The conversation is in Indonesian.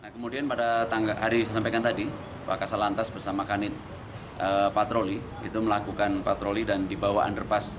kemudian pada hari saya sampaikan tadi pak kasal lantas bersama kanit patroli itu melakukan patroli dan dibawa underpass